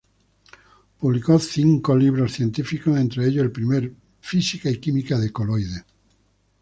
Publicó cinco libros científicos, entre ellos el primer Física y Química de Coloides.